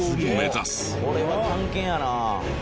これは探検やな。